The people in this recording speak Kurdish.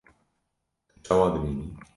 Tu çawa dibînî?